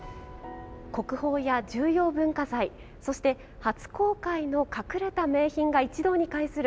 国宝や重要文化財そして、初公開の隠れた名品が一堂に会する